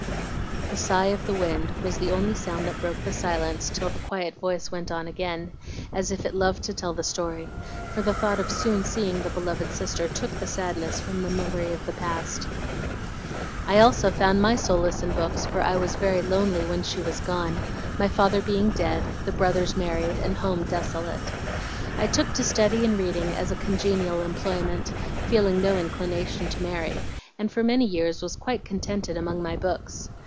The sigh of the wind was the only sound that broke the silence till the quiet voice went on again, as if it loved to tell the story, for the thought of soon seeing the beloved sister took the sadness from the memory of the past. "I also found my solace in books, for I was very lonely when she was gone, my father being dead, the brothers married, and home desolate. I took to study and reading as a congenial employment, feeling no inclination to marry, and for many years was quite contented among my books.